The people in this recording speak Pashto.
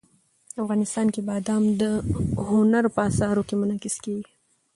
افغانستان کې بادام د هنر په اثار کې منعکس کېږي.